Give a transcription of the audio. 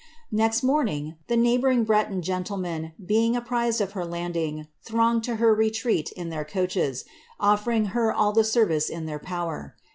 Next morning, the neighbouring Breton gentlemen, being apprised of her landing, thronged to her retreat in their coaches, offering her all the service in their power.